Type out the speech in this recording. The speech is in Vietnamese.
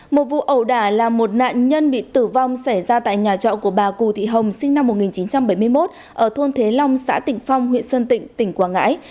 một vụ ẩu đả là một nạn nhân bị tử vong xảy ra tại nhà trọ của bà cù thị hồng sinh năm một nghìn chín trăm bảy mươi một ở thôn thế long xã tịnh phong huyện sơn tịnh tỉnh quảng ngãi